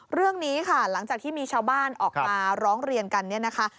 เรื่องนี้ค่ะหลังจากที่มีชาวบ้านออกมาร้องเรียนกันเนี่ยนะคะ